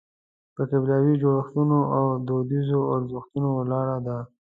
په قبیلوي جوړښتونو او دودیزو ارزښتونو ولاړه ده.